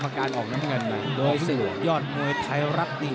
ไม่น่าเชื่อจริง